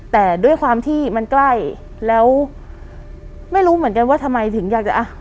แต่ด้วยความที่มันใกล้แล้วไม่รู้เหมือนกันว่าทำไมถึงอยากจะอ่ะ